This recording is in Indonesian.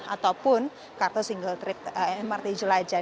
ataupun kartu single trip mrt jelajah